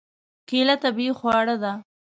کېله طبیعي خواړه ده.